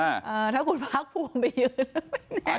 แต่ถ้าคุณพาร์คพวงไปยืนแล้วแน่